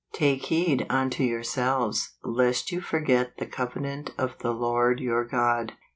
" Take heed unto yourselves, lest you forget the covenant of the Lord your God."